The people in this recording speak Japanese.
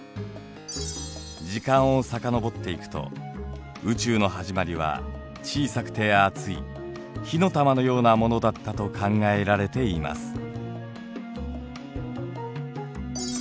時間を遡っていくと宇宙のはじまりは小さくて熱い火の玉のようなものだったと考えられています。